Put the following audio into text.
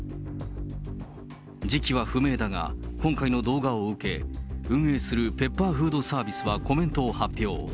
時期は不明だが、今回の動画を受け、運営するペッパーフードサービスはコメントを発表。